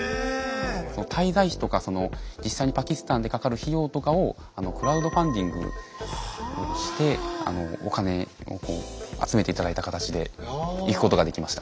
滞在費とか実際にパキスタンでかかる費用とかをクラウドファンディングをしてお金を集めて頂いた形で行くことができました。